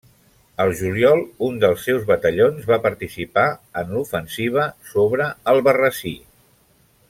Al juliol un dels seus batallons va participar en l'ofensiva sobre Albarrasí.